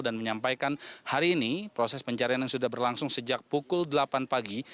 dan menyampaikan hari ini proses pencarian yang sudah berlangsung sejak pukul delapan pagi